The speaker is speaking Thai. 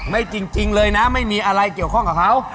จริงเลยนะไม่มีอะไรเกี่ยวข้องกับเขา